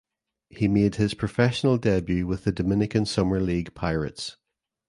He made his professional debut with the Dominican Summer League Pirates.